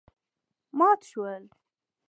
مات شول.